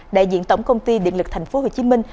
đại diện tổng công ty điện lực thành phố hồ chí minh